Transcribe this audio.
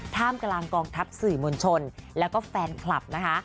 ท่ามกลางกองทัพสื่อมวลชนแล้วก็แฟนคลับนะคะ